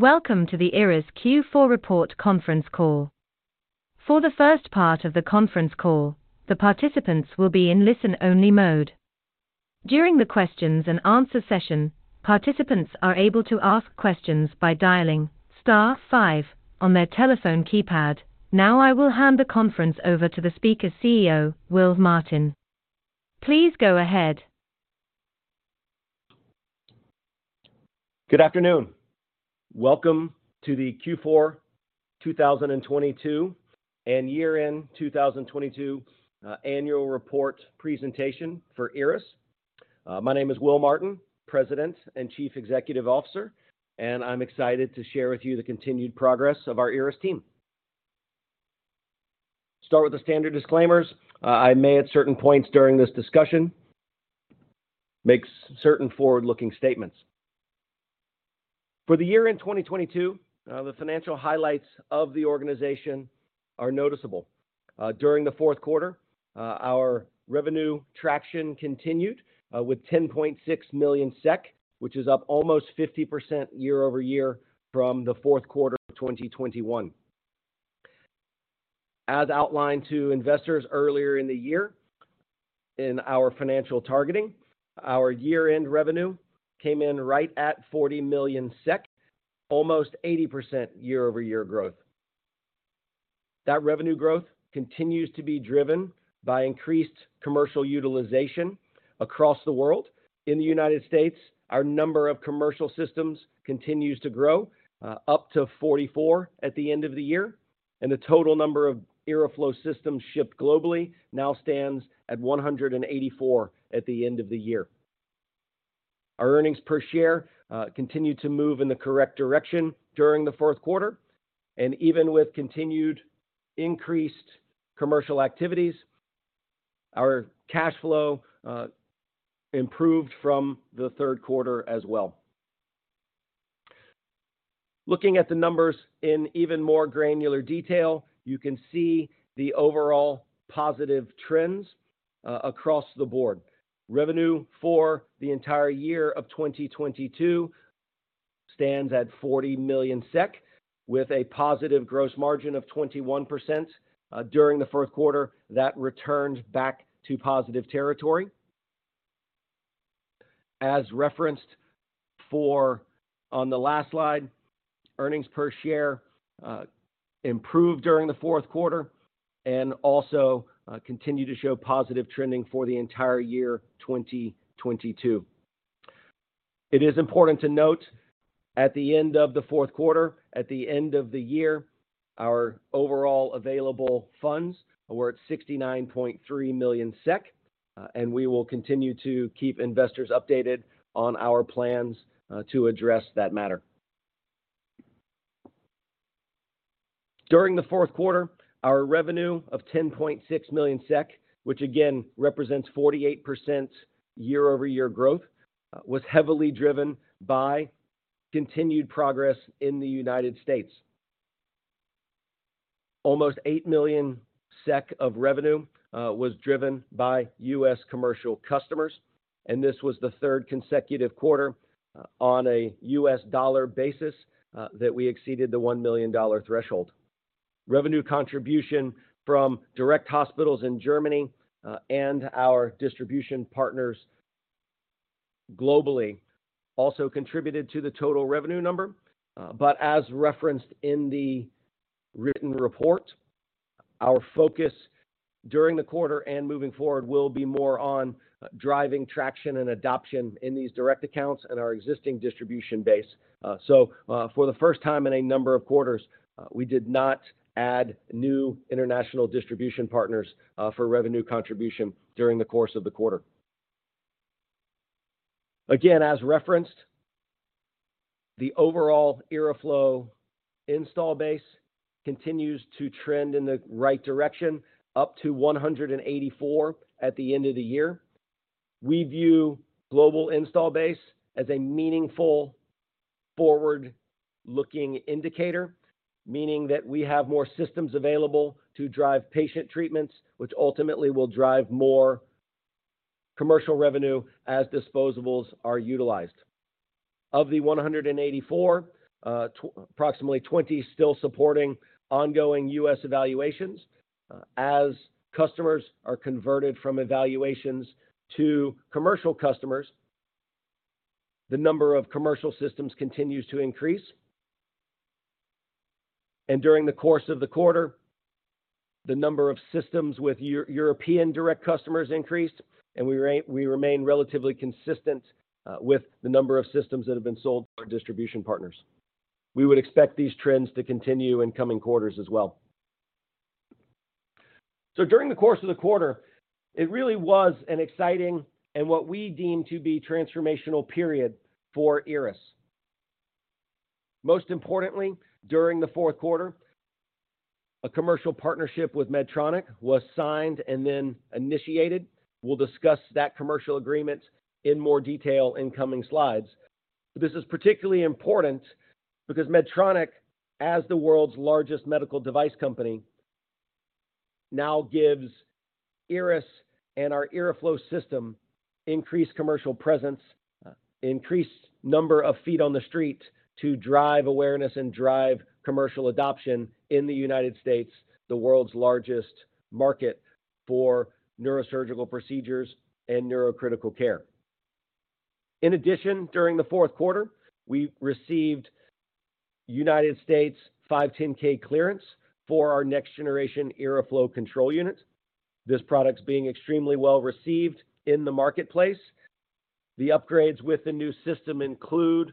Welcome to the IRRAS Q4 Report Conference Call. For the first part of the conference call, the participants will be in listen-only mode. During the questions and answer session, participants are able to ask questions by dialing star five on their telephone keypad. I will hand the conference over to the speaker CEO Will Martin. Please go ahead. Good afternoon. Welcome to The Q4 2022 and Year-end 2022 Annual Report Presentation for IRRAS. My name is Will Martin, President and Chief Executive Officer, and I'm excited to share with you the continued progress of our IRRAS team. Start with the standard disclaimers. I may at certain points during this discussion make certain forward-looking statements. For the year-end 2022, the financial highlights of the organization are noticeable. During the fourth quarter, our revenue traction continued with 10.6 million SEK, which is up almost 50% year-over-year from the fourth quarter of 2021. As outlined to investors earlier in the year in our financial targeting, our year-end revenue came in right at 40 million SEK, almost 80% year-over-year growth. That revenue growth continues to be driven by increased commercial utilization across the world. In the United States, our number of commercial systems continues to grow, up to 44 at the end of the year, and the total number of IRRAflow systems shipped globally now stands at 184 at the end of the year. Our earnings per share continued to move in the correct direction during the fourth quarter, and even with continued increased commercial activities, our cash flow improved from the third quarter as well. Looking at the numbers in even more granular detail, you can see the overall positive trends across the board. Revenue for the entire year of 2022 stands at 40 million SEK with a positive gross margin of 21%. During the fourth quarter, that returned back to positive territory. As referenced for on the last slide, earnings per share improved during the fourth quarter and also continued to show positive trending for the entire year 2022. It is important to note at the end of the fourth quarter, at the end of the year, our overall available funds were at 69.3 million SEK. We will continue to keep investors updated on our plans to address that matter. During the fourth quarter, our revenue of 10.6 million SEK, which again represents 48% year-over-year growth, was heavily driven by continued progress in the United States. Almost 8 million SEK of revenue was driven by U.S. commercial customers. This was the third consecutive quarter, on a U.S. dollar basis, that we exceeded the $1 million threshold. Revenue contribution from direct hospitals in Germany and our distribution partners globally also contributed to the total revenue number. As referenced in the written report, our focus during the quarter and moving forward will be more on driving traction and adoption in these direct accounts and our existing distribution base. For the first time in a number of quarters, we did not add new international distribution partners for revenue contribution during the course of the quarter. As referenced, the overall IRRAflow install base continues to trend in the right direction, up to 184 at the end of the year. We view global install base as a meaningful forward-looking indicator, meaning that we have more systems available to drive patient treatments, which ultimately will drive more commercial revenue as disposables are utilized. Of the 184, approximately 20 still supporting ongoing U.S. evaluations. As customers are converted from evaluations to commercial customers, the number of commercial systems continues to increase. During the course of the quarter, the number of systems with European direct customers increased, and we remain relatively consistent with the number of systems that have been sold to our distribution partners. We would expect these trends to continue in coming quarters as well. During the course of the quarter, it really was an exciting and what we deem to be transformational period for IRRAS. Most importantly, during the fourth quarter, a commercial partnership with Medtronic was signed and then initiated. We'll discuss that commercial agreement in more detail in coming slides. This is particularly important because Medtronic, as the world's largest medical device company. Now gives IRRAS and our IRRAflow system increased commercial presence, increased number of feet on the street to drive awareness and drive commercial adoption in the United States, the world's largest market for neurosurgical procedures and neurocritical care. During the fourth quarter, we received United States 510(k) clearance for our next generation IRRAflow Control Unit. This product's being extremely well-received in the marketplace. The upgrades with the new system include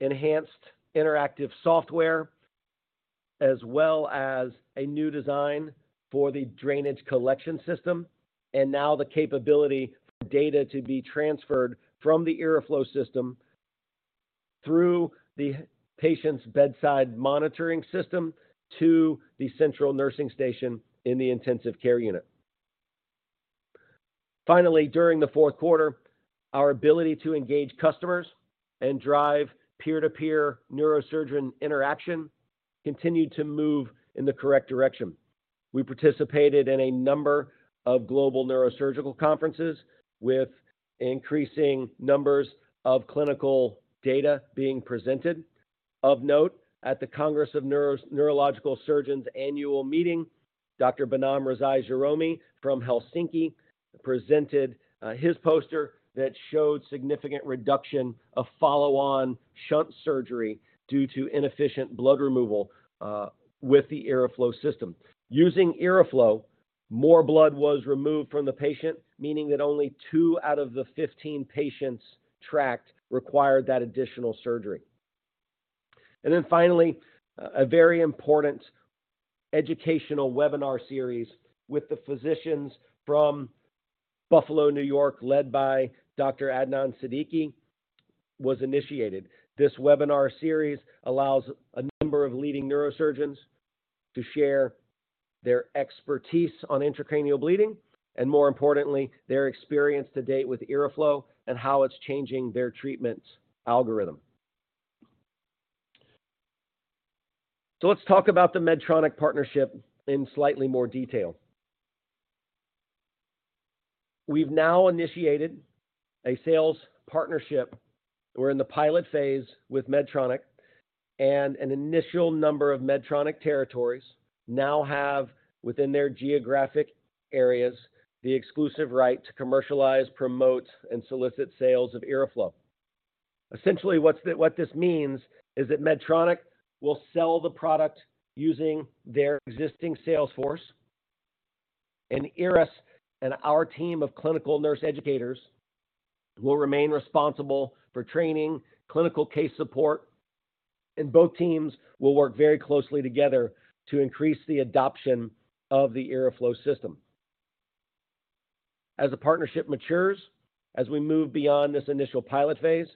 enhanced interactive software as well as a new design for the drainage collection system, and now the capability for data to be transferred from the IRRAflow system through the patient's bedside monitoring system to the central nursing station in the intensive care unit. Finally, during the fourth quarter, our ability to engage customers and drive peer-to-peer neurosurgeon interaction continued to move in the correct direction. We participated in a number of global neurosurgical conferences with increasing numbers of clinical data being presented. Of note, at the Congress of Neurological Surgeons annual meeting, Dr. Behnam Rezai Jahromi from Helsinki presented his poster that showed significant reduction of follow-on shunt surgery due to inefficient blood removal with the IRRAflow system. Using IRRAflow, more blood was removed from the patient, meaning that only two out of the 15 patients tracked required that additional surgery. Finally, a very important educational webinar series with the physicians from Buffalo, New York, led by Dr. Adnan Siddiqui, was initiated. This webinar series allows a number of leading neurosurgeons to share their expertise on intracranial bleeding and, more importantly, their experience to date with IRRAflow and how it's changing their treatments algorithm. Let's talk about the Medtronic partnership in slightly more detail. We've now initiated a sales partnership. We're in the pilot phase with Medtronic, and an initial number of Medtronic territories now have, within their geographic areas, the exclusive right to commercialize, promote, and solicit sales of IRRAflow. Essentially, what this means is that Medtronic will sell the product using their existing sales force, and IRRAS and our team of clinical nurse educators will remain responsible for training, clinical case support, and both teams will work very closely together to increase the adoption of the IRRAflow system. As the partnership matures, as we move beyond this initial pilot phase,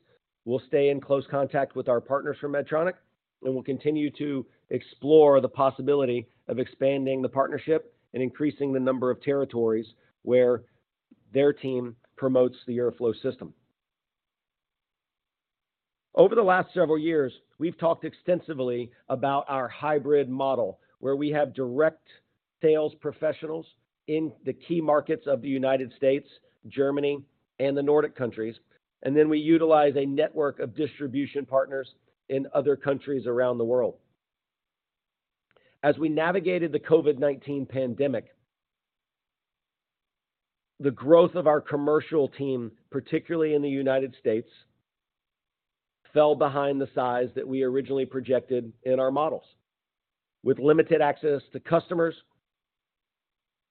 we'll stay in close contact with our partners from Medtronic, and we'll continue to explore the possibility of expanding the partnership and increasing the number of territories where their team promotes the IRRAflow system. Over the last several years, we've talked extensively about our hybrid model, where we have direct sales professionals in the key markets of the United States, Germany, and the Nordic countries, and then we utilize a network of distribution partners in other countries around the world. As we navigated the COVID-19 pandemic, the growth of our commercial team, particularly in the United States, fell behind the size that we originally projected in our models. With limited access to customers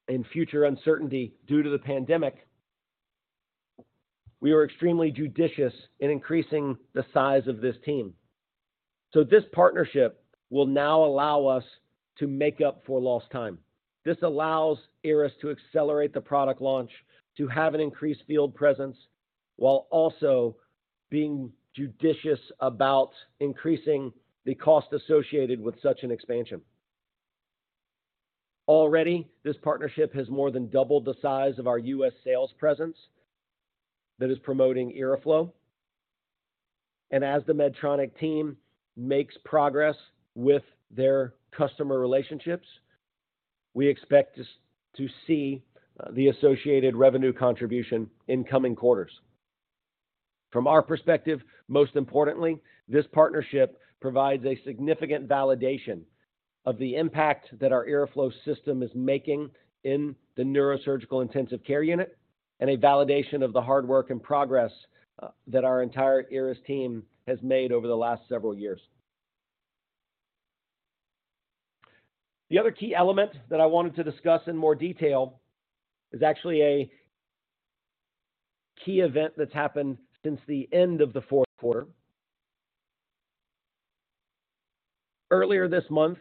and future uncertainty due to the pandemic, we were extremely judicious in increasing the size of this team. This partnership will now allow us to make up for lost time. This allows IRRAS to accelerate the product launch, to have an increased field presence, while also being judicious about increasing the cost associated with such an expansion. Already, this partnership has more than doubled the size of our U.S. sales presence that is promoting IRRAflow. As the Medtronic team makes progress with their customer relationships, we expect to see the associated revenue contribution in coming quarters. From our perspective, most importantly, this partnership provides a significant validation of the impact that our IRRAflow system is making in the neurosurgical intensive care unit and a validation of the hard work and progress that our entire IRRAS team has made over the last several years. The other key element that I wanted to discuss in more detail is actually a key event that's happened since the end of the fourth quarter. Earlier this month,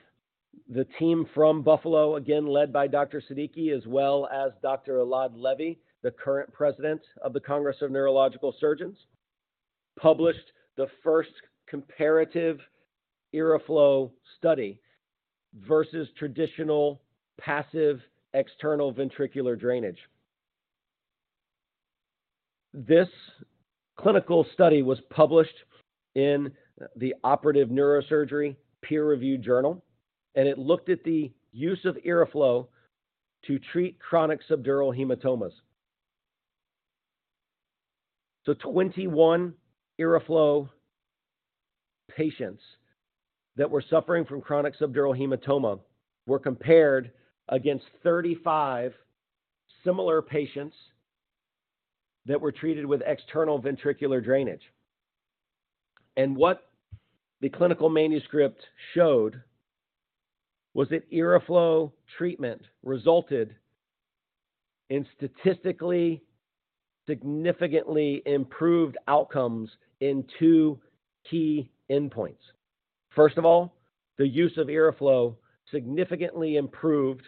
the team from Buffalo, again led by Dr. Siddiqui, as well as Dr. Elad Levy, the current President of the Congress of Neurological Surgeons, published the first comparative IRRAflow study versus traditional passive external ventricular drainage. This clinical study was published in the Operative Neurosurgery peer-reviewed journal, and it looked at the use of IRRAflow to treat chronic subdural hematomas. 21 IRRAflow patients that were suffering from chronic subdural hematoma were compared against 35 similar patients that were treated with external ventricular drainage. What the clinical manuscript showed was that IRRAflow treatment resulted in statistically significantly improved outcomes in two key endpoints. First of all, the use of IRRAflow significantly improved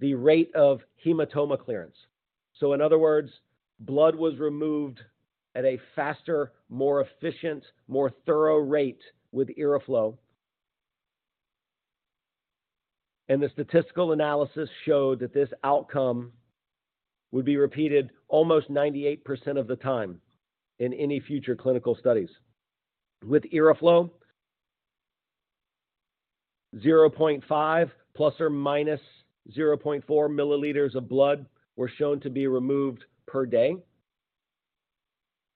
the rate of hematoma clearance. In other words, blood was removed at a faster, more efficient, more thorough rate with IRRAflow. The statistical analysis showed that this outcome would be repeated almost 98% of the time in any future clinical studies. With IRRAflow, 0.5 ± 0.4 milliliters of blood were shown to be removed per day,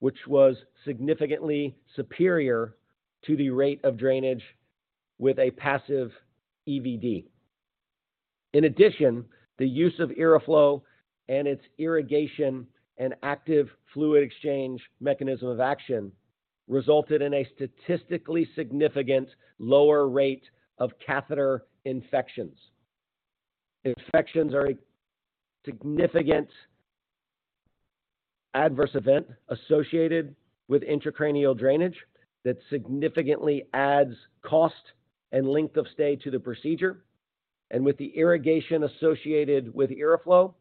which was significantly superior to the rate of drainage with a passive EVD. In addition, the use of IRRAflow and its irrigation and active fluid exchange mechanism of action resulted in a statistically significant lower rate of catheter infections. Infections are a significant adverse event associated with intracranial drainage that significantly adds cost and length of stay to the procedure. With the irrigation associated with IRRAflow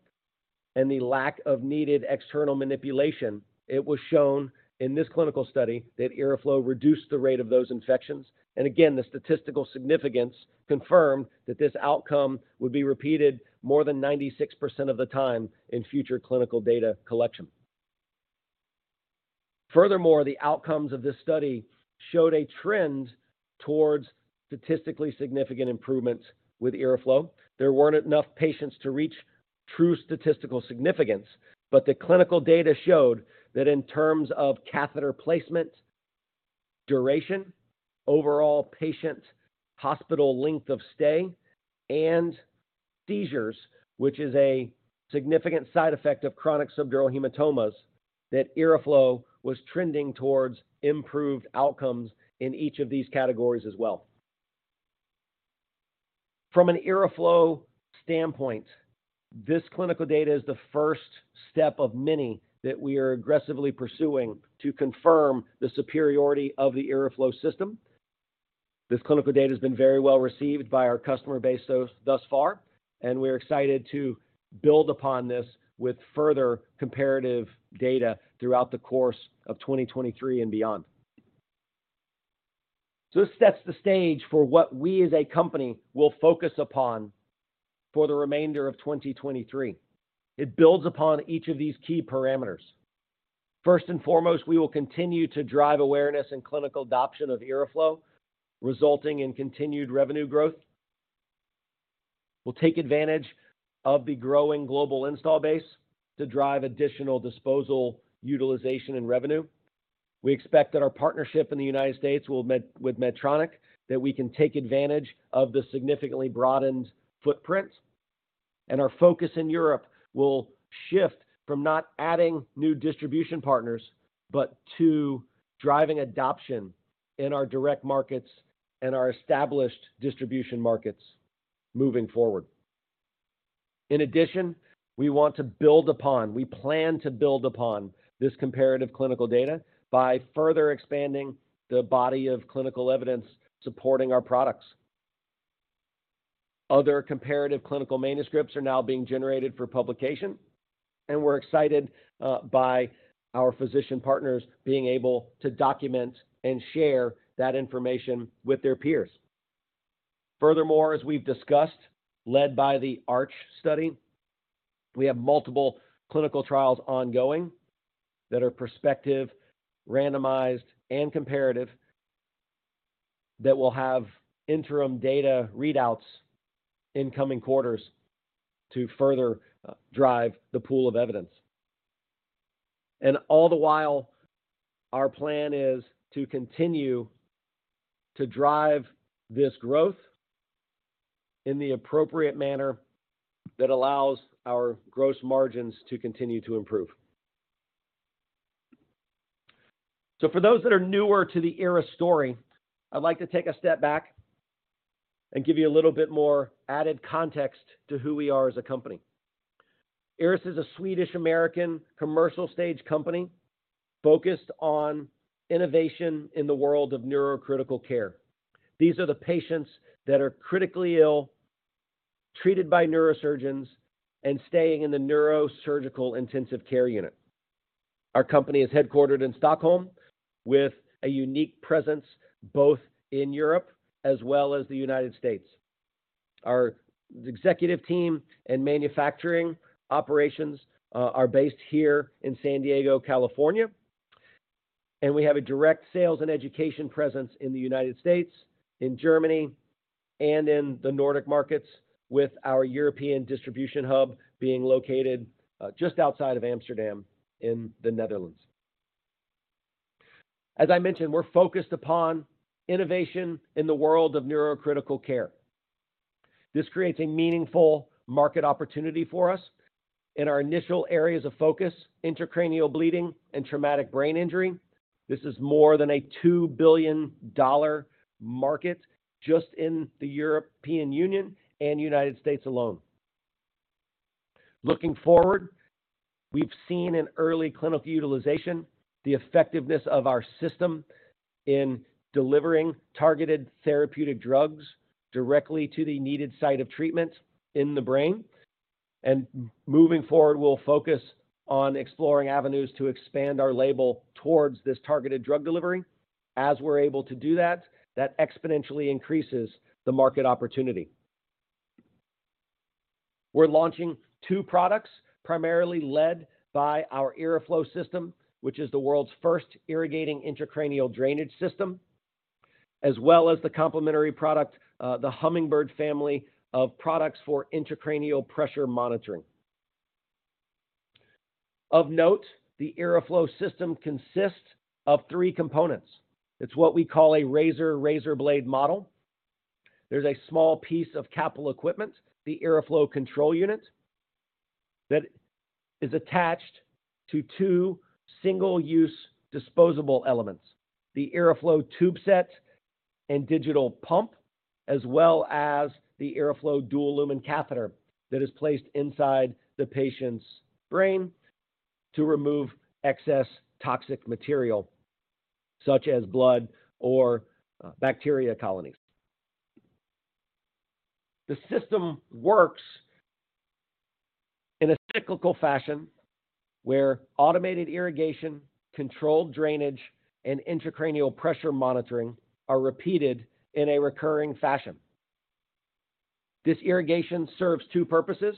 and the lack of needed external manipulation, it was shown in this clinical study that IRRAflow reduced the rate of those infections. Again, the statistical significance confirmed that this outcome would be repeated more than 96% of the time in future clinical data collection. Furthermore, the outcomes of this study showed a trend towards statistically significant improvements with IRRAflow. There weren't enough patients to reach true statistical significance, but the clinical data showed that in terms of catheter placement, duration, overall patient hospital length of stay, and seizures, which is a significant side effect of chronic subdural hematomas, that IRRAflow was trending towards improved outcomes in each of these categories as well. From an IRRAflow standpoint, this clinical data is the first step of many that we are aggressively pursuing to confirm the superiority of the IRRAflow system. This clinical data has been very well received by our customer base thus far, we're excited to build upon this with further comparative data throughout the course of 2023 and beyond. This sets the stage for what we as a company will focus upon for the remainder of 2023. It builds upon each of these key parameters. First and foremost, we will continue to drive awareness and clinical adoption of IRRAflow, resulting in continued revenue growth. We'll take advantage of the growing global install base to drive additional disposal utilization and revenue. We expect that our partnership in the United States with Medtronic, that we can take advantage of the significantly broadened footprint. Our focus in Europe will shift from not adding new distribution partners, but to driving adoption in our direct markets and our established distribution markets moving forward. In addition, we want to build upon, we plan to build upon this comparative clinical data by further expanding the body of clinical evidence supporting our products. Other comparative clinical manuscripts are now being generated for publication, and we're excited by our physician partners being able to document and share that information with their peers. Furthermore, as we've discussed, led by the ARCH study, we have multiple clinical trials ongoing that are prospective, randomized, and comparative that will have interim data readouts in coming quarters to further drive the pool of evidence. All the while, our plan is to continue to drive this growth in the appropriate manner that allows our gross margins to continue to improve. For those that are newer to the IRRAS story, I'd like to take a step back and give you a little bit more added context to who we are as a company. IRRAS is a Swedish-American commercial stage company focused on innovation in the world of neurocritical care. These are the patients that are critically ill, treated by neurosurgeons, and staying in the neurosurgical intensive care unit. Our company is headquartered in Stockholm with a unique presence both in Europe as well as the United States. Our executive team and manufacturing operations are based here in San Diego, California. We have a direct sales and education presence in the United States, in Germany, and in the Nordic markets with our European distribution hub being located just outside of Amsterdam in the Netherlands. As I mentioned, we're focused upon innovation in the world of neurocritical care. This creates a meaningful market opportunity for us in our initial areas of focus, intracranial bleeding and traumatic brain injury. This is more than a $2 billion market just in the European Union and United States alone. Looking forward, we've seen in early clinical utilization the effectiveness of our system in delivering targeted therapeutic drugs directly to the needed site of treatment in the brain. Moving forward, we'll focus on exploring avenues to expand our label towards this targeted drug delivery. As we're able to do that exponentially increases the market opportunity. We're launching two products, primarily led by our IRRAflow system, which is the world's first irrigating intracranial drainage system, as well as the complementary product, the Hummingbird family of products for intracranial pressure monitoring. Of note, the IRRAflow system consists of three components. It's what we call a razor-razor blade model. There's a small piece of capital equipment, the IRRAflow Control Unit, that is attached to two single-use disposable elements, the IRRAflow tube set and digital pump, as well as the IRRAflow dual-lumen catheter that is placed inside the patient's brain to remove excess toxic material, such as blood or bacteria colonies. The system works in a cyclical fashion where automated irrigation, controlled drainage, and intracranial pressure monitoring are repeated in a recurring fashion. This irrigation serves two purposes.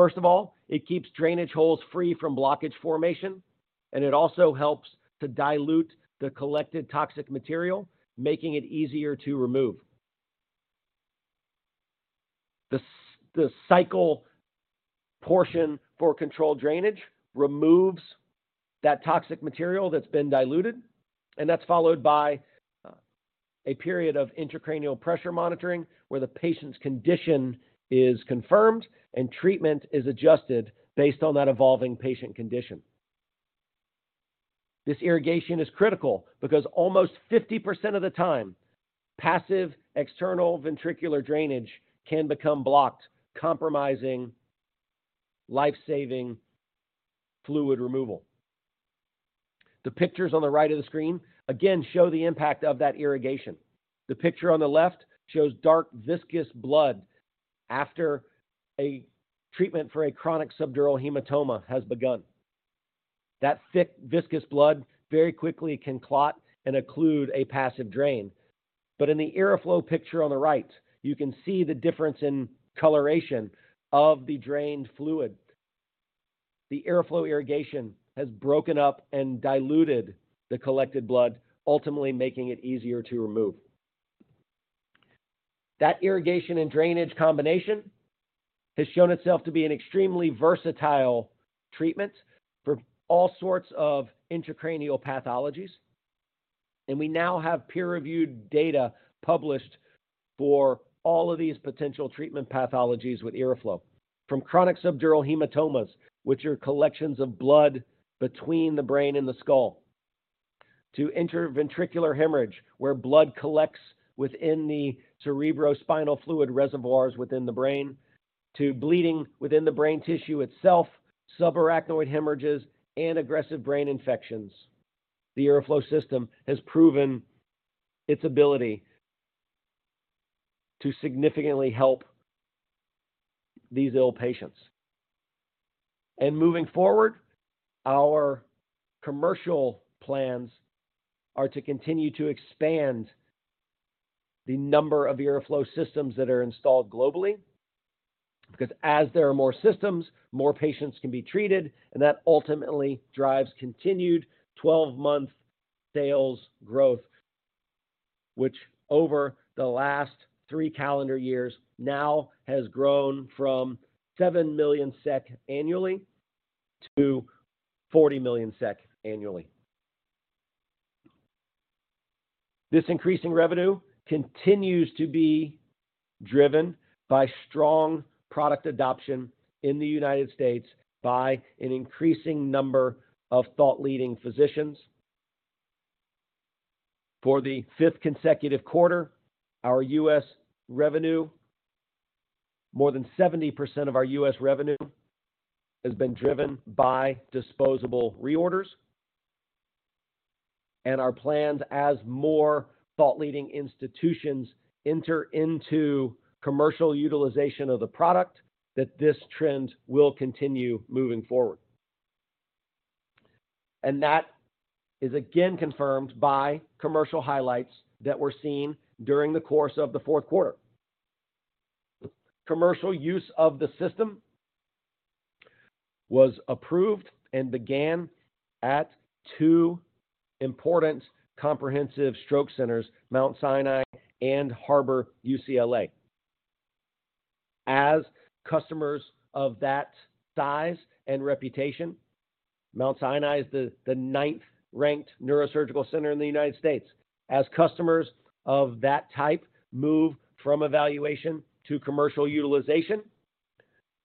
First of all, it keeps drainage holes free from blockage formation, and it also helps to dilute the collected toxic material, making it easier to remove. The cycle portion for controlled drainage removes that toxic material that's been diluted, and that's followed by a period of intracranial pressure monitoring where the patient's condition is confirmed and treatment is adjusted based on that evolving patient condition. This irrigation is critical because almost 50% of the time, passive external ventricular drainage can become blocked, compromising life-saving fluid removal. The pictures on the right of the screen, again, show the impact of that irrigation. The picture on the left shows dark, viscous blood after a treatment for a chronic subdural hematoma has begun. That thick, viscous blood very quickly can clot and occlude a passive drain. In the IRRAflow picture on the right, you can see the difference in coloration of the drained fluid. The IRRAflow irrigation has broken up and diluted the collected blood, ultimately making it easier to remove. That irrigation and drainage combination has shown itself to be an extremely versatile treatment for all sorts of intracranial pathologies. We now have peer-reviewed data published for all of these potential treatment pathologies with IRRAflow. From chronic subdural hematomas, which are collections of blood between the brain and the skull, to intraventricular hemorrhage, where blood collects within the cerebrospinal fluid reservoirs within the brain, to bleeding within the brain tissue itself, subarachnoid hemorrhages, and aggressive brain infections. The IRRAflow system has proven its ability to significantly help these ill patients. Moving forward, our commercial plans are to continue to expand the number of IRRAflow systems that are installed globally. As there are more systems, more patients can be treated, and that ultimately drives continued 12-month sales growth, which over the last three calendar years now has grown from 7 million SEK annually to 40 million SEK annually. This increasing revenue continues to be driven by strong product adoption in the United States by an increasing number of thought-leading physicians. For the 5th consecutive quarter, our U.S. revenue, more than 70% of our U.S. revenue has been driven by disposable reorders. Our plans as more thought-leading institutions enter into commercial utilization of the product, that this trend will continue moving forward. That is again confirmed by commercial highlights that were seen during the course of the fourth quarter. Commercial use of the system was approved and began at two important comprehensive stroke centers, Mount Sinai and Harbor-UCLA. As customers of that size and reputation, Mount Sinai is the ninth-ranked neurosurgical center in the United States. As customers of that type move from evaluation to commercial utilization,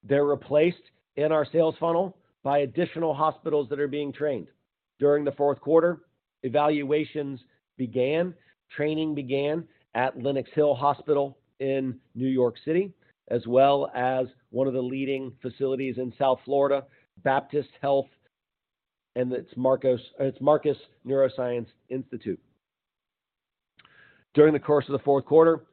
they're replaced in our sales funnel by additional hospitals that are being trained. During the fourth quarter, evaluations began, training began at Lenox Hill Hospital in New York City, as well as one of the leading facilities in South Florida, Baptist Health, and its Marcus Neuroscience Institute. During the course of the fourth quarter,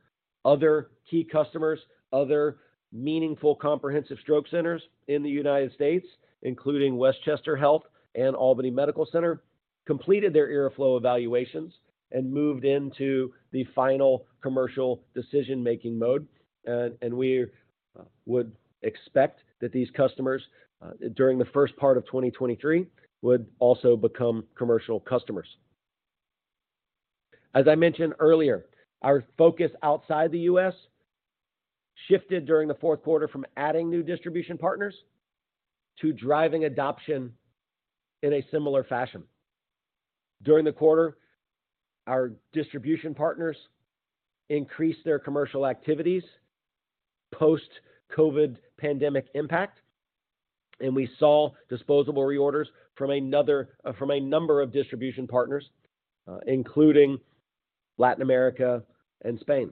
other key customers, other meaningful comprehensive stroke centers in the U.S., including Westchester Health and Albany Medical Center, completed their IRRAflow evaluations and moved into the final commercial decision-making mode. We would expect that these customers, during the first part of 2023, would also become commercial customers. As I mentioned earlier, our focus outside the U.S. shifted during the fourth quarter from adding new distribution partners to driving adoption in a similar fashion. During the quarter, our distribution partners increased their commercial activities post-COVID pandemic impact, and we saw disposable reorders from a number of distribution partners, including Latin America and Spain.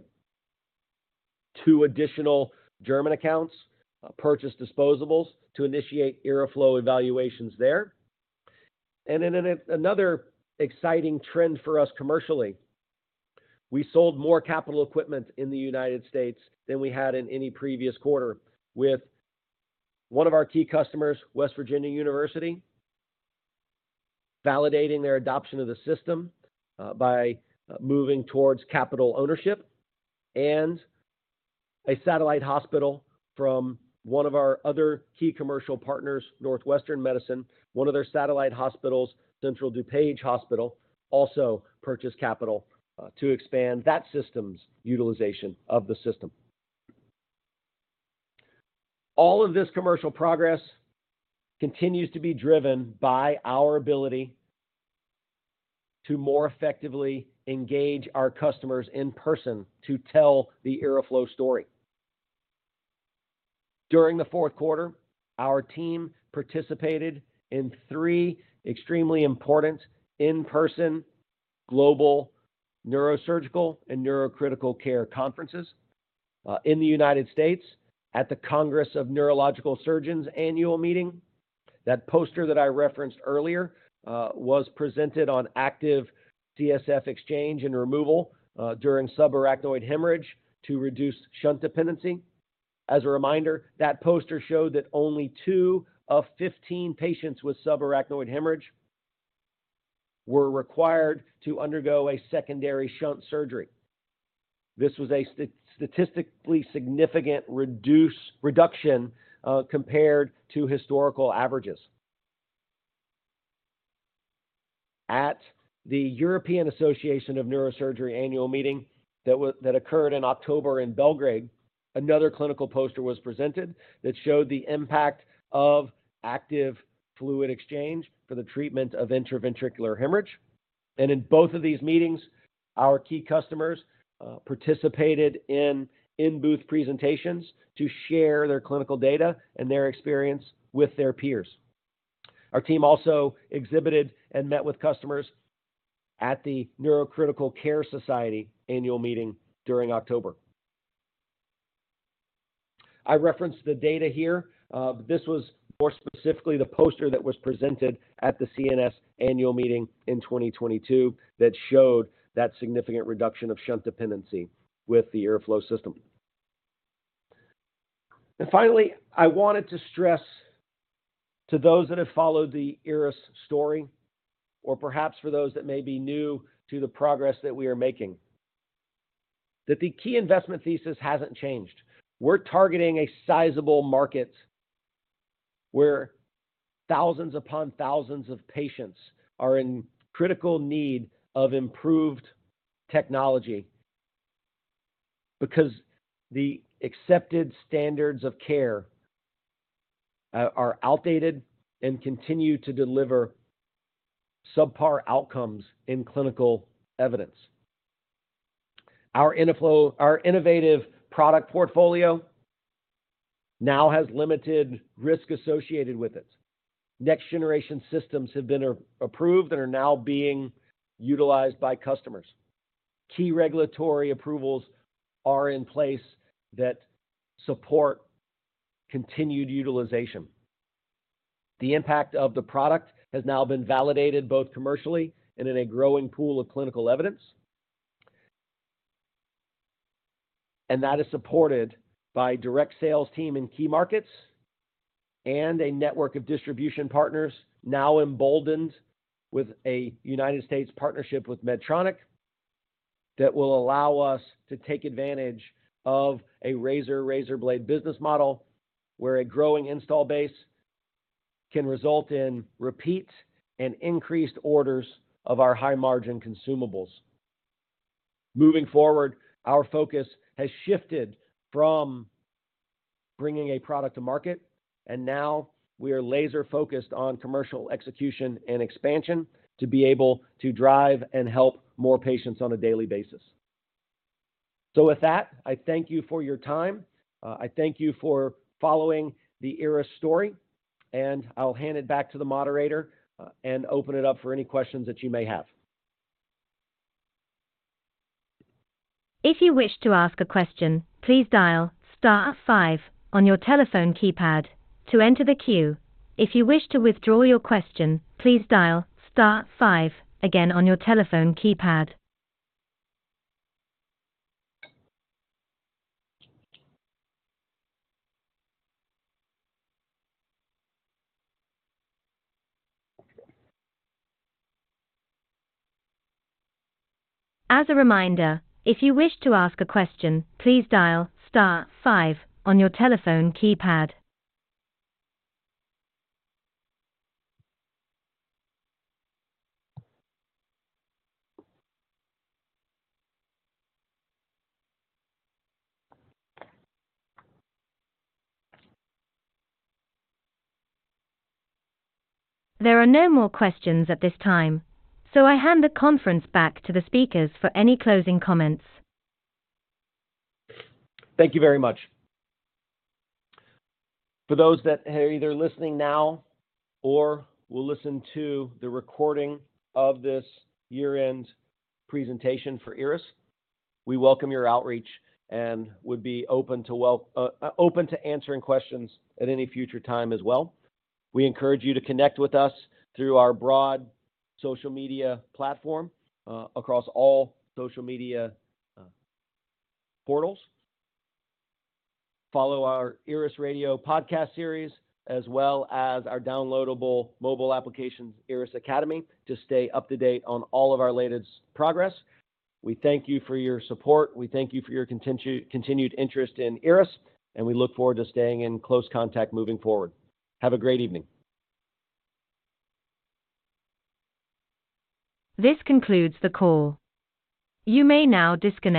Two additional German accounts purchased disposables to initiate IRRAflow evaluations there. In another exciting trend for us commercially, we sold more capital equipment in the United States than we had in any previous quarter with one of our key customers, West Virginia University, validating their adoption of the system by moving towards capital ownership and a satellite hospital from one of our other key commercial partners, Northwestern Medicine. One of their satellite hospitals, Central DuPage Hospital, also purchased capital to expand that system's utilization of the system. All of this commercial progress continues to be driven by our ability to more effectively engage our customers in person to tell the IRRAflow story. During the fourth quarter, our team participated in three extremely important in-person global neurosurgical and neurocritical care conferences in the United States at the Congress of Neurological Surgeons annual meeting. That poster that I referenced earlier, was presented on active CSF exchange and removal during subarachnoid hemorrhage to reduce shunt dependency. As a reminder, that poster showed that only two of 15 patients with subarachnoid hemorrhage were required to undergo a secondary shunt surgery. This was a statistically significant reduction compared to historical averages. At the European Association of Neurosurgical Societies annual meeting that occurred in October in Belgrade, another clinical poster was presented that showed the impact of active fluid exchange for the treatment of intraventricular hemorrhage. In both of these meetings, our key customers participated in in-booth presentations to share their clinical data and their experience with their peers. Our team also exhibited and met with customers at the Neurocritical Care Society annual meeting during October. I referenced the data here. This was more specifically the poster that was presented at the CNS annual meeting in 2022 that showed that significant reduction of shunt dependency with the IRRAflow system. Finally, I wanted to stress to those that have followed the IRRAS story, or perhaps for those that may be new to the progress that we are making, that the key investment thesis hasn't changed. We're targeting a sizable market where thousands upon thousands of patients are in critical need of improved technology because the accepted standards of care are outdated and continue to deliver subpar outcomes in clinical evidence. Our innovative product portfolio now has limited risk associated with it. Next-generation systems have been ir-approved and are now being utilized by customers. Key regulatory approvals are in place that support continued utilization. The impact of the product has now been validated both commercially and in a growing pool of clinical evidence. That is supported by direct sales team in key markets and a network of distribution partners now emboldened with a United States partnership with Medtronic that will allow us to take advantage of a razor blade business model, where a growing install base can result in repeat and increased orders of our high-margin consumables. Moving forward, our focus has shifted from bringing a product to market, and now we are laser-focused on commercial execution and expansion to be able to drive and help more patients on a daily basis. With that, I thank you for your time. I thank you for following the IRRAS story, and I'll hand it back to the moderator, and open it up for any questions that you may have. If you wish to ask a question, please dial star five on your telephone keypad to enter the queue. If you wish to withdraw your question, please dial star five again on your telephone keypad. As a reminder, if you wish to ask a question, please dial star five on your telephone keypad. There are no more questions at this time. I hand the conference back to the speakers for any closing comments. Thank you very much. For those that are either listening now or will listen to the recording of this year-end presentation for IRRAS, we welcome your outreach and would be open to answering questions at any future time as well. We encourage you to connect with us through our broad social media platform across all social media portals. Follow our IRRAS Radio podcast series, as well as our downloadable mobile applications, IRRAS Academy, to stay up to date on all of our latest progress. We thank you for your support. We thank you for your continued interest in IRRAS, and we look forward to staying in close contact moving forward. Have a great evening. This concludes the call. You may now disconnect.